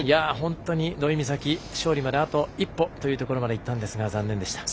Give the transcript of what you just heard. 辻野さん、本当に土居美咲勝利まであと一歩というところまでいったんですが残念でした。